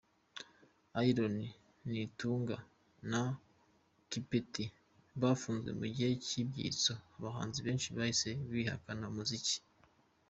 Aaron Nitunga na Kipeti bafunzwe mu gihe cy’ibyitso, abahanzi benshi bahise bihakana umuziki.